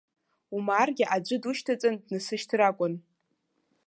Умааргьы аӡәы душьҭаҵан днасышьҭыр акәын.